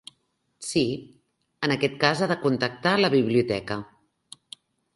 Sí, en aquest cas ha de contactar la biblioteca.